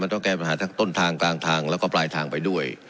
ต้องแก้ปัญหาทั้งต้นทางกลางทางแล้วก็ปลายทางไปด้วย